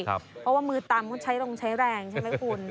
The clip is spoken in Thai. เพราะว่ามือตำเขาใช้ลงใช้แรงใช่ไหมคุณ